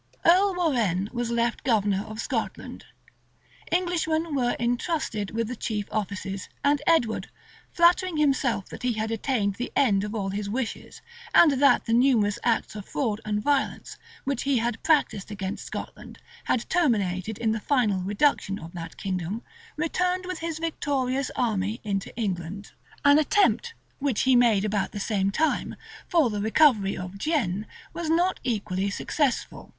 Earl Warrenne was left governor of Scotland:[] Englishmen were intrusted with the chief offices: and Edward, flattering himself that he had attained the end of all his wishes, and that the numerous acts of fraud and violence, which he had practised against Scotland, had terminated in the final reduction of that kingdom, returned with his victorious army into England. * Walsing. p. 68. Trivet, p. 299. Rymer, vol. ii. p. 726. Trivet, p. 295. An attempt, which he made about the same time, for the recovery of Guienne, was not equally successful.